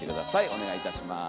お願いいたします。